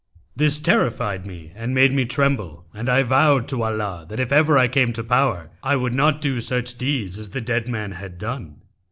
This terrified me and made me tremble, and I vowed to Allah, that if ever I came to power, I would not do such deeds as the dead man had done.